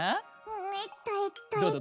えっとえっとえっと。